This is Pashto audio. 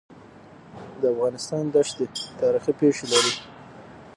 د افغانستان دښتي تاریخي پېښې لري.